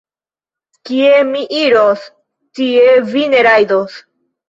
Kie mi iros, tie vi ne rajdos.